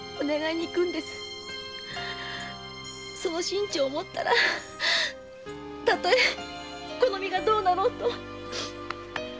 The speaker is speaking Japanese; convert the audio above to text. その心中を思ったらたとえこの身がどうなろうとも。